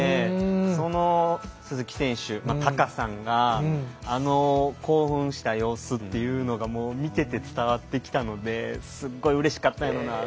その鈴木選手、孝さんがあの興奮した様子というのが見ていて伝わってきたのですごくうれしかったです。